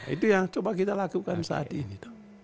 itu yang coba kita lakukan saat ini